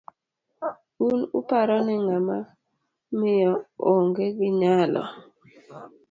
Un uparo ni ng'ama miyo ong 'e gi nyalo?